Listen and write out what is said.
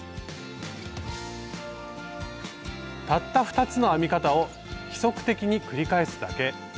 たった２つの編み方を規則的に繰り返すだけ。